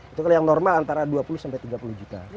itu kalau yang normal antara dua puluh sampai tiga puluh juta